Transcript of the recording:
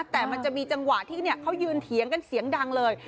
แต่มันจะมีจังหวะที่เขายืนเถียงกันเสียงดังเลย